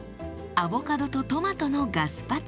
アボカドとトマトのガスパチョ。